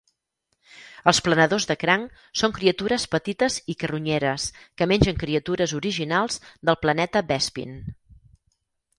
Els "planadors de cranc" són criatures petites i carronyeres que mengen criatures originals del planeta Bespin.